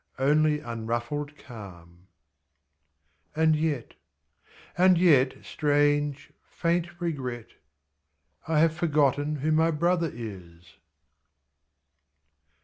Only unruffled calm; and yet — and yet — Strange, faint regret — I have forgotten who my brother is!